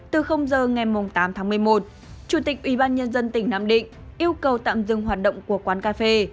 từ giờ ngày tám tháng một mươi một chủ tịch ubnd tỉnh nam định yêu cầu tạm dừng hoạt động của quán cà phê